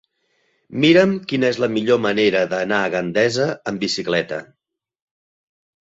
Mira'm quina és la millor manera d'anar a Gandesa amb bicicleta.